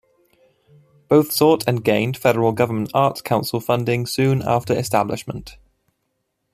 Both sought and gained Federal Government Arts Council funding soon after establishment.